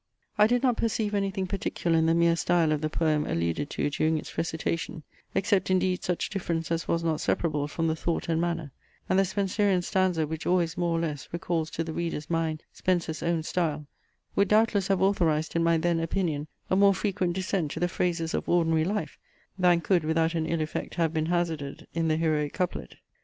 I did not perceive anything particular in the mere style of the poem alluded to during its recitation, except indeed such difference as was not separable from the thought and manner; and the Spenserian stanza, which always, more or less, recalls to the reader's mind Spenser's own style, would doubtless have authorized, in my then opinion, a more frequent descent to the phrases of ordinary life, than could without an ill effect have been hazarded in the heroic couplet.